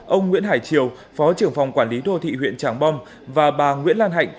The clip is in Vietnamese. ông nguyễn hải triều phó trưởng phòng quản lý đô thị huyện tràng bom và bà nguyễn lan hạnh